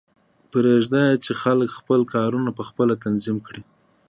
پریږده چې خلک خپل کارونه پخپله تنظیم کړي